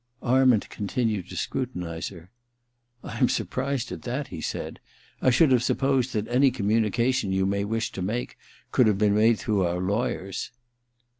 Arment continued to scrutinize her. ' I am surprised at that,' he said. *I should have supposed that any communication you may wish to make coidd have been made through our lawyers.'